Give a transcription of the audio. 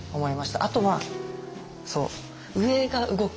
あとは上が動く。